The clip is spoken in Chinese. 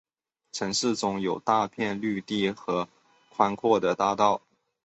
城市中有大片的绿地和宽阔的大道。